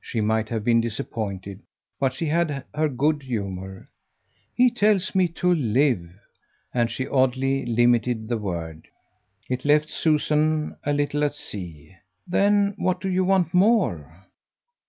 She might have been disappointed, but she had her good humour. "He tells me to LIVE" and she oddly limited the word. It left Susie a little at sea. "Then what do you want more?"